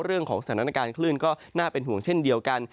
เรื่องของสถานการณ์คลื่นก็น่าเป็นห่วงเช่นเดียวกัน